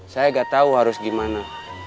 saya nggak tahu harus gimana